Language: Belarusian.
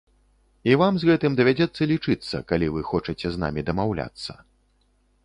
І вам з гэтым давядзецца лічыцца, калі вы хочаце з намі дамаўляцца.